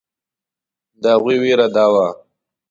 د هغوی وېره دا وه.